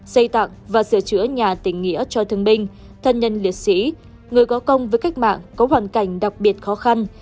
xây tặng và sửa chữa nhà tình nghĩa cho thương binh thân nhân liệt sĩ người có công với cách mạng có hoàn cảnh đặc biệt khó khăn